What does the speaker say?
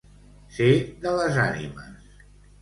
Ser de les ànimes.